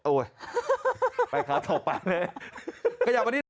โอ้ยไปค่ะตอบไปเลย